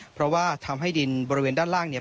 เพราะว่าทำให้ดินบริเวณด้านล่างเนี่ย